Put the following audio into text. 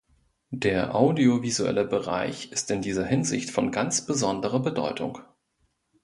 Der audiovisuelle Bereich ist in dieser Hinsicht von ganz besonderer Bedeutung.